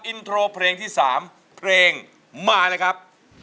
อินโทรเพลงที่๓เพลงมาเลยครับ